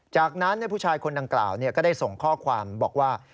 จากนั้นผู้ชายคนดังกล่าวก็ได้ส่งข้อความบอกว่า